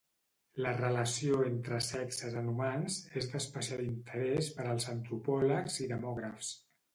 La relació entre sexes en humans és d'especial interés per als antropòlegs i demògrafs.